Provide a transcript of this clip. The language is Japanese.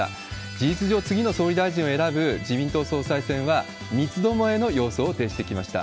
事実上、次の総理大臣を選ぶ自民党総裁選は、三つどもえのようそうを呈してきました。